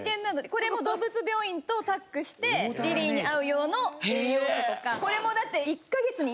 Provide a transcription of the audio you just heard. これも動物病院とタッグしてリリーに合う用の栄養素とかこれもだって。